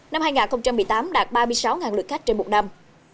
năm hai nghìn một mươi tám đạt ba mươi sáu lượt khách trên một năm